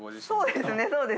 そうですね。